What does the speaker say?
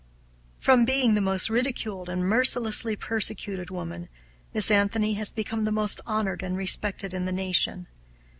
From being the most ridiculed and mercilessly persecuted woman, Miss Anthony has become the most honored and respected in the nation.